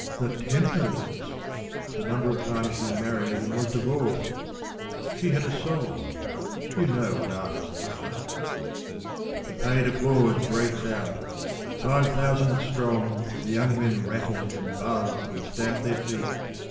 the tempers ! The number of times she married and was divorced ! She had a soul. You know what artists are.) 11 The paid applause breaks out. Five thousand strong The young men rattle, and buzz, and stamp their feet.